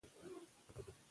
وخت ډېر په منډه روان دی